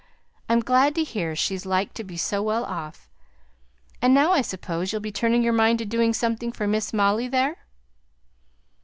I'm glad to hear she's like to be so well off. And now, I suppose, you'll be turning your mind to doing something for Miss Molly there?"